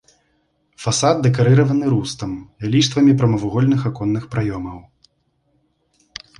Фасад дэкарыраваны рустам, ліштвамі прамавугольных аконных праёмаў.